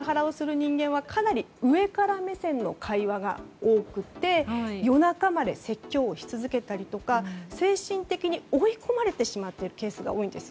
これに関してもモラハラをする人間はかなり上から目線の会話が多くて夜中まで説教をし続けたりとか精神的に追い込まれてしまっていくケースが多いんです。